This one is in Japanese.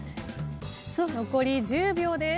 残り１０秒です。